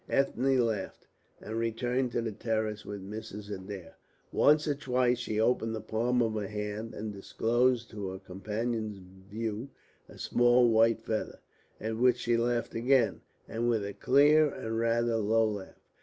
Ethne laughed, and returned to the terrace with Mrs. Adair. Once or twice she opened the palm of her hand and disclosed to her companion's view a small white feather, at which she laughed again, and with a clear and rather low laugh.